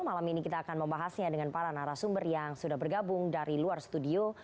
malam ini kita akan membahasnya dengan para narasumber yang sudah bergabung dari luar studio